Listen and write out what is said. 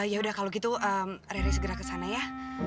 ya udah kalau gitu rery segera kesana ya